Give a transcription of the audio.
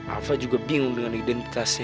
alva juga bingung dengan identitasnya